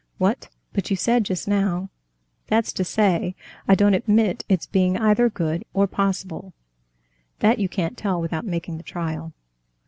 "What! But you said just now...." "That's to say, I don't admit it's being either good or possible." "That you can't tell without making the trial."